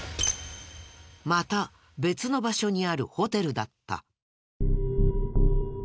また別の場所にあるホテルだった。